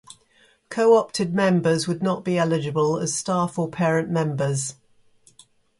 Co-opted members would not be eligible as staff or parent members.